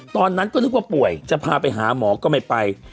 ตอนนั้นก็นึกว่าป่วยจะพาไปหาหมอก็ไม่ไป